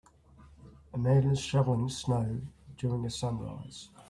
A man is shoveling snow during a sunrise.